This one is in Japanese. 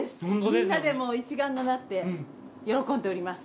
みんなで一丸となって喜んでおります。